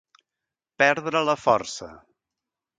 Perdre la força.